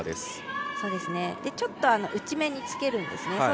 ちょっと内目につけるんですね。